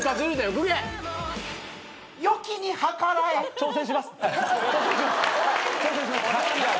挑戦しますはい。